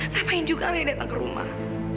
ngapain juga leh datang ke rumah